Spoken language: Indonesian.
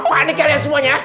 panik kalian semuanya